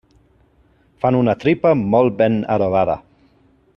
Fan una tripa molt ben adobada.